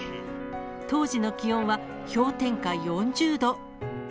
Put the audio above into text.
当時の気温は氷点下４０度。